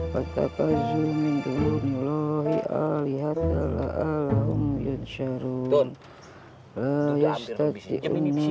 jangan ambil ambil jenip jepin